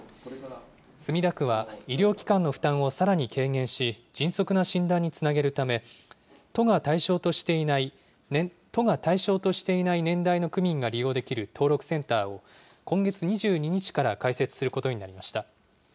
墨田区は、医療機関の負担をさらに軽減し、迅速な診断につなげるため、都が対象としていない年代の区民が利用できる登録センターを今月２２日から開設することになりました。